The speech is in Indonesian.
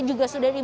juga sudah ditambah